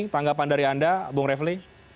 tanggapan dari anda bung refli